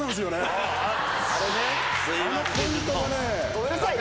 ごめんなさいね。